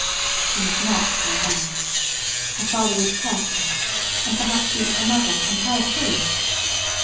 She must not go back. Her father would curse her, and perhaps beat her mother and her too.